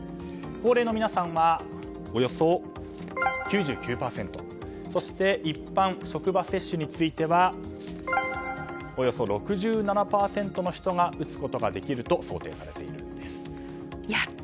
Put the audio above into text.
高齢の皆さんはおよそ９９％そして一般、職場接種についてはおよそ６７％の人が打つことができると想定されているんです。